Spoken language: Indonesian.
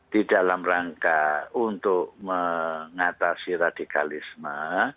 di dalam rangka untuk mengatasi radikalisme